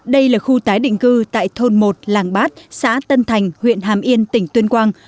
đây là khu tái định cư tại thôn một làng bát xã tân thành huyện hàm yên tỉnh tuyên quang